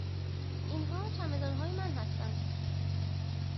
اینها چمدان های من هستند.